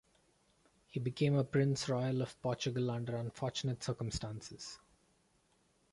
He became Prince Royal of Portugal under unfortunate circumstances.